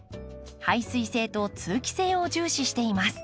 排水性と通気性を重視しています。